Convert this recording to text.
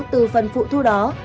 từ phần phụ thu đó